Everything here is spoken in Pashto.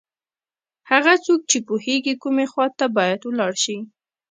هغه څوک چې پوهېږي کومې خواته باید ولاړ شي.